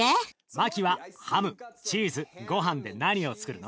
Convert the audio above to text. マキはハムチーズごはんで何をつくるの？